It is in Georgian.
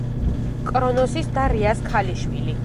კრონოსის და რეას ქალიშვილი.